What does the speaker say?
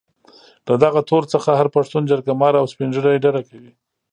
له دغه تور څخه هر پښتون جرګه مار او سپين ږيري ډډه کوي.